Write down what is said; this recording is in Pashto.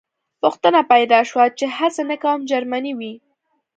پوښتنه پیدا شوه چې هسې نه کوم جرمنی وي